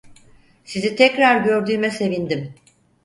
Sizi tekrar gördüğüme sevindim.